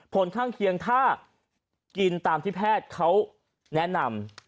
ผลข้างเคียงถ้ากินตามที่แพทย์เขาแนะนำ